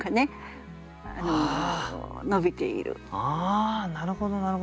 ああなるほどなるほど。